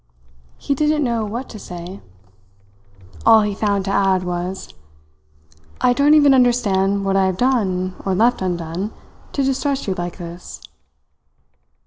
He didn't know what to say. All he found to add was: "I don't even understand what I have done or left undone to distress you like this."